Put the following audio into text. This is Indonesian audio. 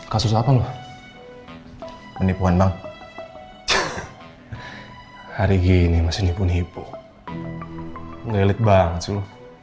kasus apa lu menipu memang hari gini masih pun hipo ngelit banget